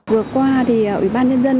vừa qua thì ủy ban nhân dân